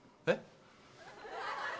えっ？